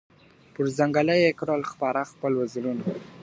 پر ځنګله یې کړل خپاره خپل وزرونه .